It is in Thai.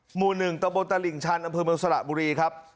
หมู่๑ตะบนตลิ่งชันอำเภอเมืองสระบุรีครับ